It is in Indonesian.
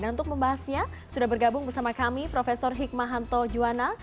untuk membahasnya sudah bergabung bersama kami prof hikmahanto juwana